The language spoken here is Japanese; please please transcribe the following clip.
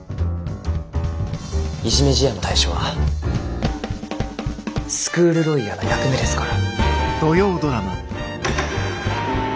いじめ事案の対処はスクールロイヤーの役目ですから。